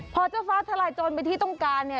พอเจ้าฟ้าทะลายโจรไปที่ต้องการ